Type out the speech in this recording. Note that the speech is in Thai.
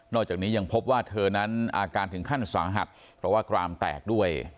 จากนี้ยังพบว่าเธอนั้นอาการถึงขั้นสาหัสเพราะว่ากรามแตกด้วย